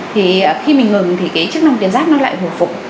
thì khi mình ngừng thì cái chức năng tuyến giáp nó lại hồi phục